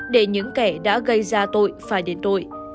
để những kẻ đã gây ra tội phải đền tội